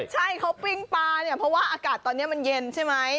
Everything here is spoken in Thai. ใช่เขาปิ้งปลาเนี่ยเพราะว่าอากาศตอนนี้มันเย็นใช่ไหม